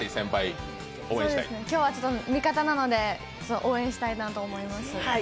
今日は味方なので応援したいなと思います。